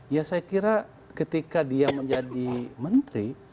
ya saya kira ketika dia menjadi menteri